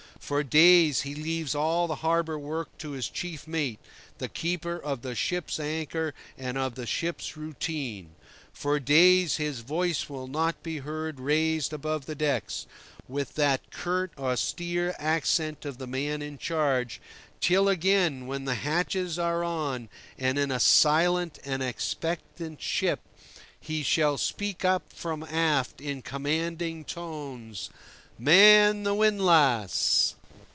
For days he leaves all the harbour work to his chief mate, the keeper of the ship's anchor and of the ship's routine. For days his voice will not be heard raised about the decks, with that curt, austere accent of the man in charge, till, again, when the hatches are on, and in a silent and expectant ship, he shall speak up from aft in commanding tones: "Man the windlass!"